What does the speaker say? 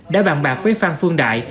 đã bàn bạc với phan phương đại